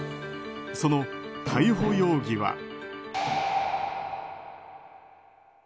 その逮捕容疑は。